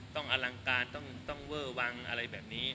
อลังการต้องเวอร์วังอะไรแบบนี้